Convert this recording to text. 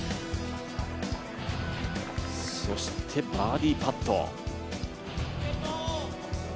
そして、バーディーパット。